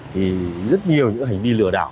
thì rất nhiều những hành vi lừa đảo